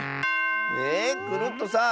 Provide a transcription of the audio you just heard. えっクルットさん